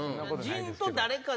陣と誰かで。